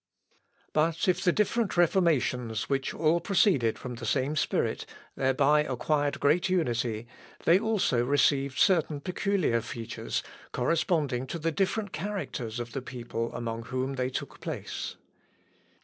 i, p. 273, 276.) But if the different reformations, which all proceeded from the same Spirit, thereby acquired great unity, they also received certain peculiar features, corresponding to the different characters of the people among whom they took place.